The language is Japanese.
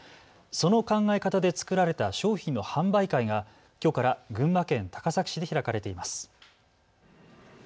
その考え方で作られた商品の販売会がきょうから群馬県高崎市で開かれています。